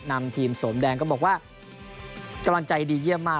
นำทีมสมแดงก็บอกว่ากำลังใจดีเยี่ยมมาก